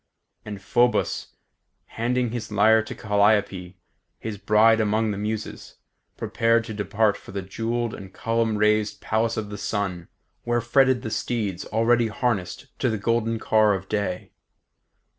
And Phoebus, handing his lyre to Calliope, his bride among the Muses, prepared to depart for the jewelled and column raised Palace of the Sun, where fretted the steeds already harnessed to the golden car of day.